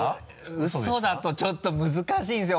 ウソだとちょっと難しいんですよ